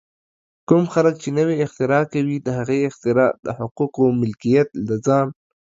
کوم خلک چې نوې اختراع کوي، د هغې اختراع د حقوقو ملکیت له ځان